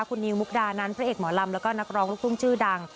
คุณนิวมุกดานั้นพระเอกหมอลำแล้วก็นักร้องลูกทุ่งชื่อดัง